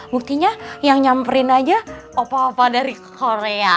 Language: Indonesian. buktinya yang nyamperin aja opa opa dari korea